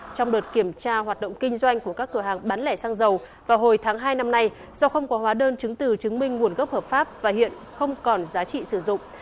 trong đợt kiểm tra hoạt động kinh doanh của các cửa hàng bán lẻ xăng dầu vào hồi tháng hai năm nay do không có hóa đơn chứng từ chứng minh nguồn gốc hợp pháp và hiện không còn giá trị sử dụng